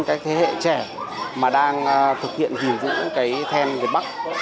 các thế hệ trẻ mà đang thực hiện hình vũ cái then việt bắc